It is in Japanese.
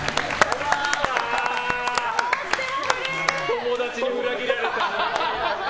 友達に裏切られた。